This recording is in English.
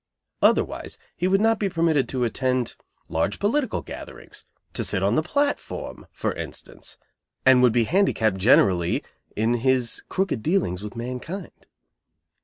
Otherwise he would not be permitted to attend large political gatherings, to sit on the platform, for instance, and would be handicapped generally in his crooked dealings with mankind.